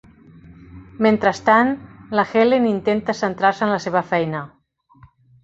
Mentrestant, la Helen intenta centrar-se en la seva feina.